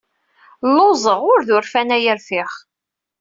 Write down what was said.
Lluẓeɣ. Ur d urfan ay rfiɣ.